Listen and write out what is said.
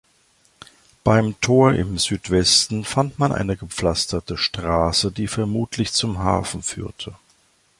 Beim Tor im Südwesten fand man eine gepflasterte Straße, die vermutlich zum Hafen führte.